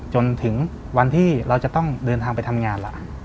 จนถึงวันที่เราจะต้องเดินทางไปทำงานล่ะ